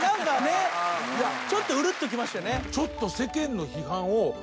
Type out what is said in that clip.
ちょっとうるっときましたよね。